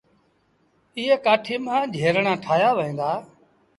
ايئي ڪآٺيٚ مآ جھيرڻآن ٺآهيآ وهين دآ۔